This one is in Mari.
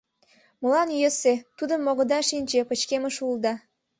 Молан йӧсӧ — тудым огыда шинче, пычкемыш улыда.